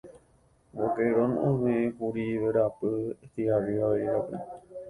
Boquerón omeʼẽkuri verapy Estigarribia rérape.